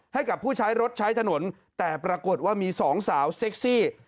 ให้กับผู้ใช้รถใช้ถนนแต่ปรากฏว่ามีสองสาวเซ็กซี่